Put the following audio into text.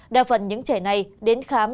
đa phần những trẻ này đến khám